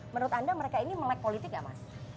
menurut anda mereka ini melek politik gak mas